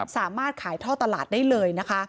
สามารถขายทอดตลาดได้เลย